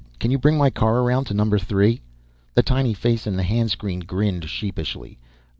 "Can you bring my car around to Number Three?" The tiny face in the hand screen grinned sheepishly.